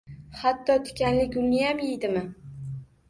Hatto tikanli gulniyam yeydimi?